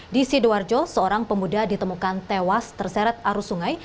di sidoarjo seorang pemuda ditemukan tewas terseret arus sungai